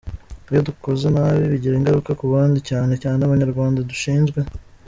Iyo dukoze nabi, bigira ingaruka ku bandi, cyane cyane Abanyarwanda dushinzwe.